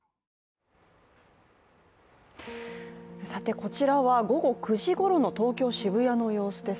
こちらは午後９時ごろの東京・渋谷の様子です。